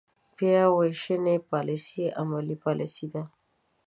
بیا وېشنې پاليسۍ عملي پاليسۍ دي.